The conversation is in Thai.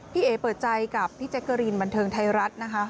เอ๋เปิดใจกับพี่แจ๊กเกอรีนบันเทิงไทยรัฐนะคะ